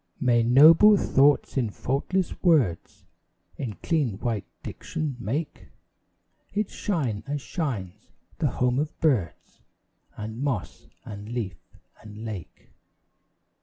May noble thoughts in faultless words In clean white diction make It shine as shines the home of birds And moss and leaf and lake.